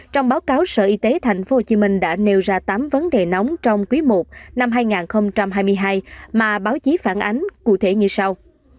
trong báo cáo sở y tế tp hcm đã nêu ra tám vấn đề nóng trong quý i năm hai nghìn hai mươi hai mà báo chí phản ánh cụ thể như sau